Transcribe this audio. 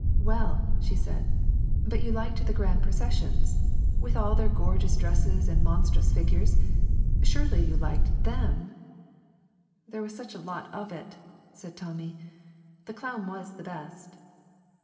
'Well,' she said, 'but you liked the grand processions, with all their gorgeous dresses and monstrous figures, surely you liked them?' 'There was such a lot of it,' said Tommy. 'The clown was the best.'